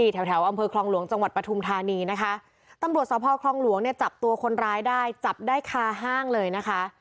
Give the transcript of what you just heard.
ตำรวจสาวพ่อครองหลวงจับตัวคนร้ายได้จับได้คาห้างเลยนะคะ